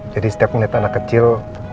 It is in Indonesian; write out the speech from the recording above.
jadi setiap ngeliat anak kecil